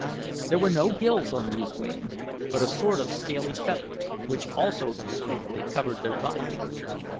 There were no quills on these wings, but a sort of scaly feathers, which also thickly covered their bodies.